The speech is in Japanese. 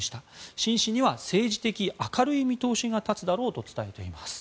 シン氏には政治的明るい見通しが立つだろうと伝えています。